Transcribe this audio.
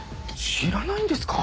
知らないんですか？